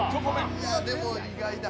いやでも意外だ。